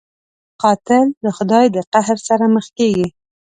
قاتل د خدای د قهر سره مخ کېږي